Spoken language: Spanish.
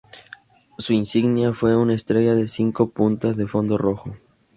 Su insignia fue una estrella de cinco puntas en fondo rojo.